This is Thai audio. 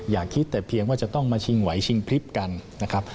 อย่าคิดแต่เพียงว่าจะต้องมาชิงไหวชิงพลิบกันนะครับ